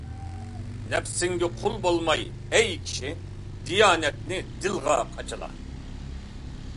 نەپسىڭگە قۇل بولماي ئەي كىشى، دىيانەتنى دىلغا قاچىلا.